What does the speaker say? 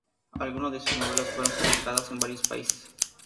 Algunas de sus novelas fueron publicadas en varios países.